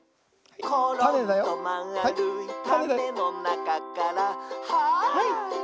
「ころんとまあるいたねのなかから」「ハイ！」